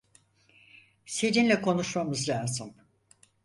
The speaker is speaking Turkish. Seninle konuşmamız lazım.